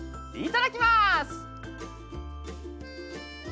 いただきます。